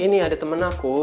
ini ada temen aku